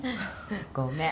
ごめん。